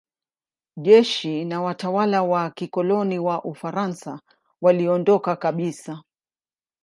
Jeshi na watawala wa kikoloni wa Ufaransa waliondoka kabisa.